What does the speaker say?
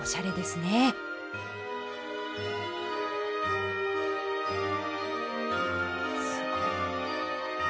すごい。